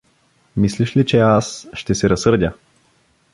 Мислиш ли, че аз… Ще се разсърдя!